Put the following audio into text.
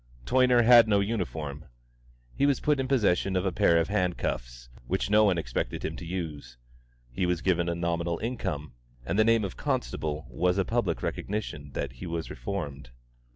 Toyner had no uniform; he was put in possession of a pair of hand cuffs, which no one expected him to use; he was given a nominal income; and the name of "constable" was a public recognition that he was reformed.